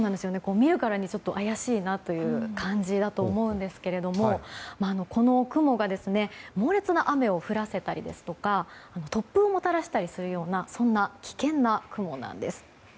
見るからに怪しいなという感じだと思うんですけれどもこの雲が猛烈な雨を降らせたりですとか突風をもたらしたりするようなそんな危険な雲なんです。